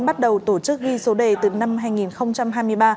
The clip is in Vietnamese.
bắt đầu tổ chức ghi số đề từ năm hai nghìn hai mươi ba